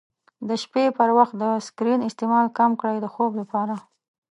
د شپې پر وخت د سکرین استعمال کم کړئ د خوب لپاره.